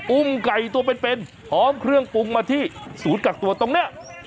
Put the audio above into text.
ุ่มไก่ตัวเป็นพร้อมเครื่องปรุงมาที่ศูนย์กักตัวตรงนี้